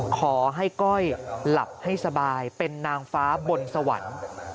ขอให้ก้อยหลับให้สบายเป็นนางฟ้าบนสวรรค์